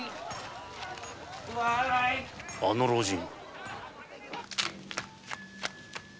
あの老人！？